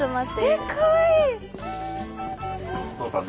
えっかわいい！